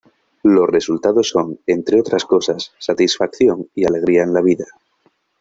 Los resultados son, entre otras cosas, satisfacción y alegría en la vida.